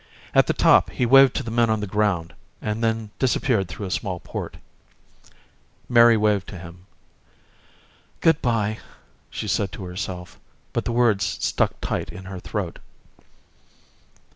At the top he waved to the men on the ground and then disappeared through a small port. Mary waved to him. "Good by," she said to herself, but the words stuck tight in her throat.